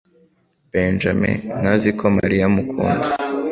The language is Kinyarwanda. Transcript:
Benjamin ntazi ko Mariya amukunda.